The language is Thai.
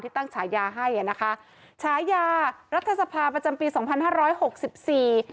ตั้งฉายาให้อ่ะนะคะฉายารัฐสภาประจำปีสองพันห้าร้อยหกสิบสี่